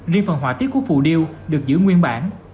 riêng phần hỏa tiết của phù điêu được giữ nguyên bản